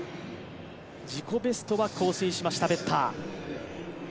自己ベストは更新しましたベッター。